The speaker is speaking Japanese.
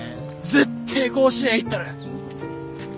絶対甲子園行ったる！